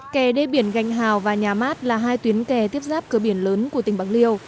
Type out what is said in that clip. kè đê biển gành hào và nhà mát là hai tuyến kè tiếp giáp cơ biển lớn của tỉnh bạc liêu